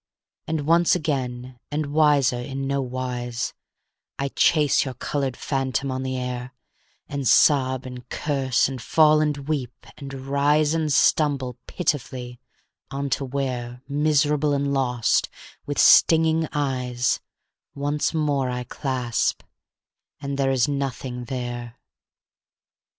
And once again, and wiser in no wise, I chase your colored phantom on the air, And sob and curse and fall and weep and rise And stumble pitifully on to where, Miserable and lost, with stinging eyes, Once more I clasp, and there is nothing there.